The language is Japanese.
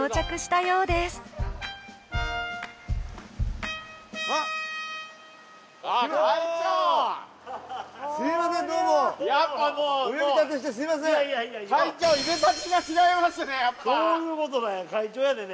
そういうことなんや会長やでね。